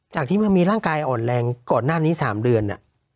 จากที่มันมีร่างกายอ่อนแรงก่อนหน้านี้๓เดือน